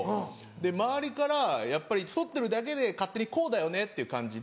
周りからやっぱり太ってるだけで勝手に「こうだよね」っていう感じで。